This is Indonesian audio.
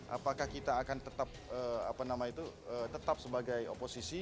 apakah kita akan tetap apa nama itu tetap sebagai oposisi